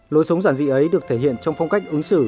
lối sống giản dị ấy được thể hiện trong phong cách ứng xử